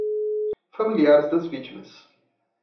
Familiares das vítimas